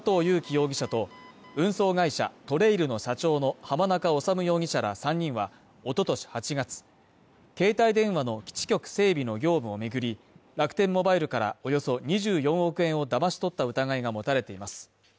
容疑者と運送会社ＴＲＡＩＬの社長の浜中治容疑者ら３人は、おととし８月、携帯電話の基地局整備の業務を巡り、楽天モバイルからおよそ２４億円をだまし取った疑いが持たれています。